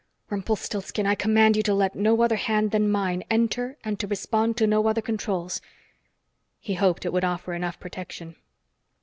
"Rumpelstilsken, I command you to let no hand other than mine enter and to respond to no other controls." He hoped it would offer enough protection.